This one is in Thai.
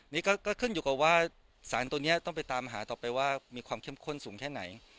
นี่ก็ขึ้นอยู่กับว่าสารตัวนี้ต้องไปตามหาต่อไปว่ามีความเข้มข้นสูงแค่ไหน